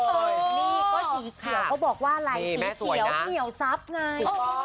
นี่ก็สีเขียวเขาบอกว่าอะไรสีเขียวเหนียวซับไง